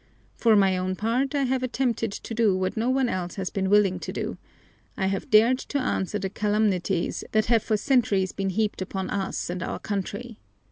For my own part, I have attempted to do what no one else has been willing to do: I have dared to answer the calumnies that have for centuries been heaped upon us and our country.